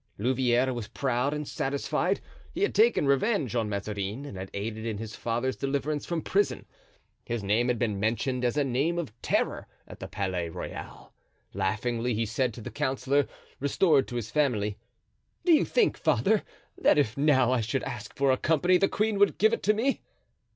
Louvieres was proud and satisfied; he had taken revenge on Mazarin and had aided in his father's deliverance from prison. His name had been mentioned as a name of terror at the Palais Royal. Laughingly he said to the councillor, restored to his family: "Do you think, father, that if now I should ask for a company the queen would give it to me?"